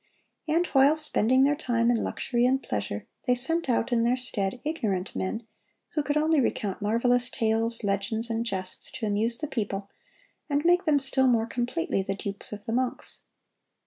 And while spending their time in luxury and pleasure, they sent out in their stead ignorant men, who could only recount marvelous tales, legends, and jests to amuse the people, and make them still more completely the dupes of the monks.